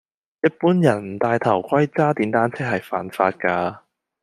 一般人唔戴頭盔揸電單車係犯法㗎